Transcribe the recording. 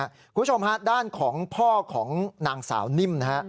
คุณผู้ชมฮะด้านของพ่อของนางสาวนิ่มนะฮะ